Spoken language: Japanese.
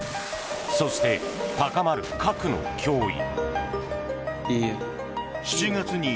そして高まる核の脅威。